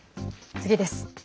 次です。